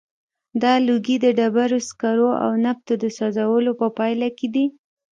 دا لوګی د ډبرو سکرو او نفتو د سوځولو په پایله کې دی.